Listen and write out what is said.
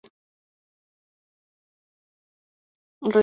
Reside" en Los Ángeles, California.